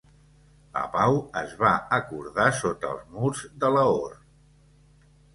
La pau es va acordar sota els murs de Lahore.